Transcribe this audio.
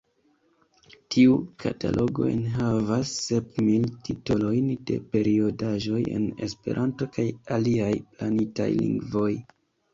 Tiu katalogo enhavas sep mil titolojn de periodaĵoj en Esperanto kaj aliaj planitaj lingvoj.